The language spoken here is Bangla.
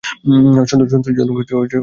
সন্তোষজনক কোন সংবাদ আসে না।